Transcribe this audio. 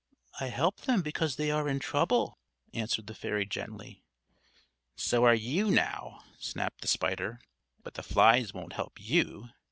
"I help them because they are in trouble," answered the fairy gently. "So are you, now," snapped the spider, "But the flies won't help you."